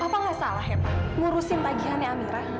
apa nggak salah ya pak ngurusin tagihannya amirah